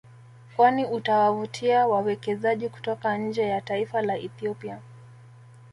Kwani utawavutia wawekezaji kutoka nje ya taifa la Ethiopia